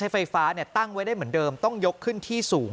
ไฟฟ้าตั้งไว้ได้เหมือนเดิมต้องยกขึ้นที่สูง